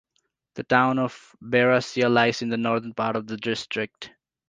The town of Berasia lies in the northern part of the district.